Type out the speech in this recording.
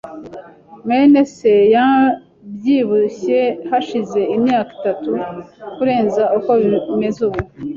mwene se yabyibushye hashize imyaka itatu kurenza uko bimeze ubu.